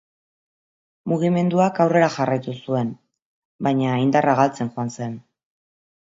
Mugimenduak aurrera jarraitu zuen, baina indarra galtzen joan zen.